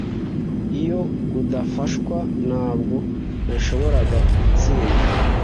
Iyo udafashwa, ntabwo nashoboraga gutsinda.